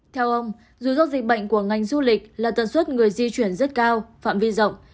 theo ông rủi ro dịch bệnh của ngành du lịch là tần suất người di chuyển rất cao phạm vi rộng